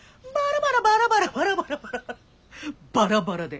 「バラバラバラバラバラ」バラバラで。